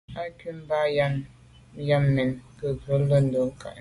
Á cúp mbə̄ mbā gə̀ yɑ́nə́ à' yɑ́nə́ mɛ̀n gə̀ rə̌ nə̀ lódə́ mû' kání.